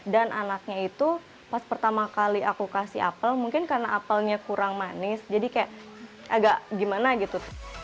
dan anaknya itu pas pertama kali aku kasih apel mungkin karena apelnya kurang manis jadi kayak agak gimana gitu